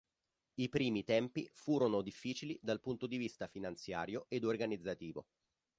I primi tempi furono difficili dal punto di vista finanziario ed organizzativo.